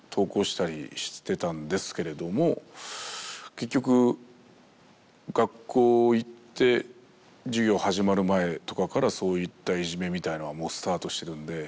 結局学校行って授業始まる前とかからそういったいじめみたいのはもうスタートしてるんで。